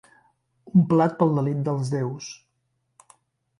Un plat pel delit dels deus